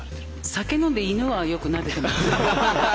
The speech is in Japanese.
酒飲んで犬はよくなでてます。